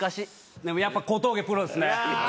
でもやっぱ小峠プロですね。